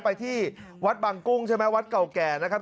ไปที่วัดบางกุ้งใช่ไหมวัดเก่าแก่นะครับ